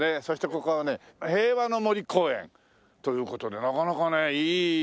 そしてここはね平和の森公園という事でなかなかねいい